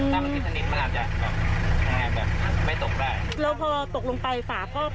ตามที่สนิทเป็นแล้วจะ